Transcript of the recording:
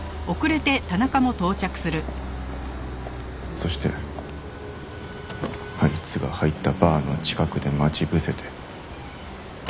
そしてあいつが入ったバーの近くで待ち伏せて。